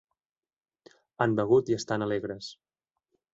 Han begut i estan alegres.